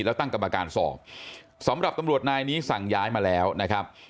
แล้วตั้งกรรมการสอบสำหรับตำรวจนายนี้สั่งย้ายมาแล้วนะครับ